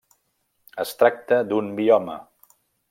Es tracta d'un bioma.